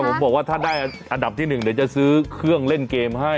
ผมบอกว่าถ้าได้อันดับที่๑เดี๋ยวจะซื้อเครื่องเล่นเกมให้